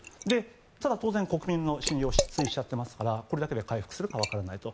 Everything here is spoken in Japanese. ただ当然、国民の信用は失墜しちゃってますからこれだけで回復するか分からないと。